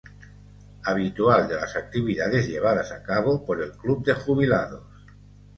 Habitual de las actividades llevadas a cabo por el club de jubilados.